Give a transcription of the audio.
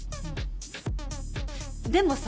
でもさ。